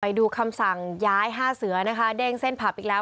ดูคำสั่งย้ายห้าเสือนะคะเด้งเส้นผับอีกแล้ว